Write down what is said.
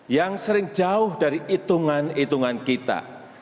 yang sering jauh dari itungan itungan kita